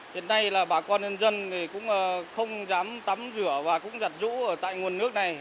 hiện nay là bà con nhân dân cũng không dám tắm rửa và cũng giặt rũ ở tại nguồn nước này